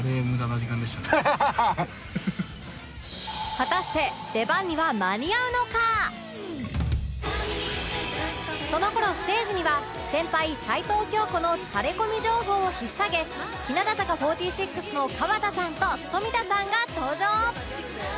果たしてその頃ステージには先輩齊藤京子のタレコミ情報を引っ提げ日向坂４６の河田さんと富田さんが登場！